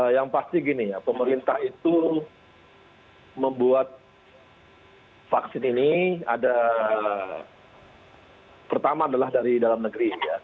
yang pasti gini ya pemerintah itu membuat vaksin ini ada pertama adalah dari dalam negeri ya